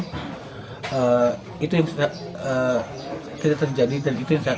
komisi buat rancang komisi buat rancang komisi buat rancang komisi buat rancang komisi buat rancang